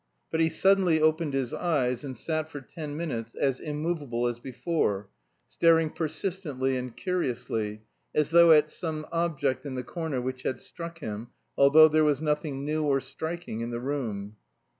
But he suddenly opened his eyes, and sat for ten minutes as immovable as before, staring persistently and curiously, as though at some object in the corner which had struck him, although there was nothing new or striking in the room.